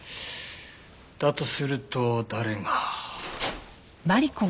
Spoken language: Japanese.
だとすると誰が。